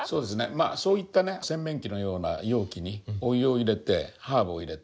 そういった洗面器のような容器にお湯を入れてハーブを入れて。